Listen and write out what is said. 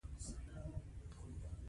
موږ د خپلو نيکونو قربانۍ نه هيروو.